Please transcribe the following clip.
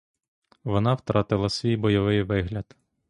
Вона втратила свій бойовий вигляд.